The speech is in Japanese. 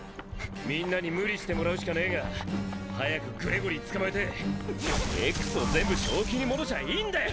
みんなに無理してもらうしかねぇが早くグレゴリー捕まえてＸを全部正気に戻しゃいいんだよ！